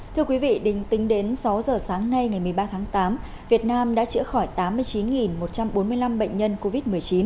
thưa quý vị đình tính đến sáu giờ sáng nay ngày một mươi ba tháng tám việt nam đã chữa khỏi tám mươi chín một trăm bốn mươi năm bệnh nhân covid một mươi chín